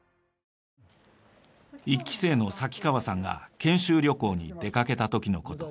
１期生の先川さんが研修旅行に出かけたときのこと。